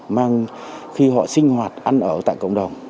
mang khi họ sinh hoạt ăn ở tại cộng đồng